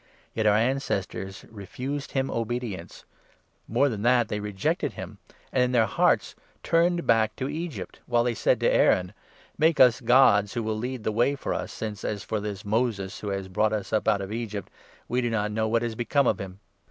Yet our ancestors refused him obedience ; more than that, 39 they rejected him, and in their hearts turned back to Egypt, while they said to Aaron —' Make us Gods who will lead the 40 way for us, since, as for this Moses who has brought us out of Egypt, we do not know what has become of him.'